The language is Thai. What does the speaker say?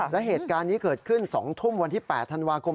และเหตุการณ์นี้เกิดขึ้น๒ทุ่มวันที่๘ธันวาคม